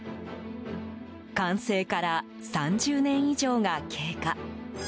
完成から３０年以上が経過。